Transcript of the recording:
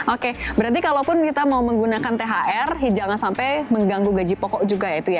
oke berarti kalaupun kita mau menggunakan thr jangan sampai mengganggu gaji pokok juga ya itu ya